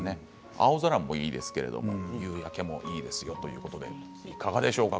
青空もいいですが夕焼けもいいですよということでいかがでしょうか？